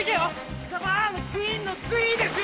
ザバーのクイッのスイーですよ！